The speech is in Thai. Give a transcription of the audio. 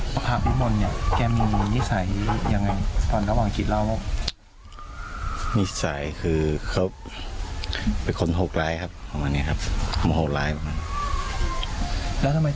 ประถามที่บนเนี่ยแกมีนิสัยยังไงตอนระหว่างกิดเล่า